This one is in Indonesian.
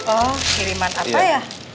oh kiriman apa ya